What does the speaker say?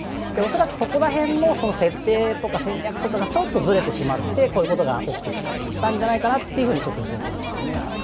恐らく、そこら辺の設定とか戦略とかがちょっとずれてしまって、こういうことが起きてしまったんじゃないかなと予想するんですけど。